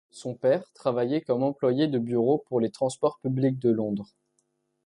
Son père travaillait comme employé de bureau pour les transports publics de Londres.